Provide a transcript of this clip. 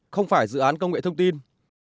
không phải dự án công nghệ thông tin